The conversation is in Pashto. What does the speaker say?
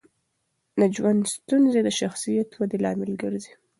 د ژوند ستونزې د شخصیت ودې لامل ګرځي.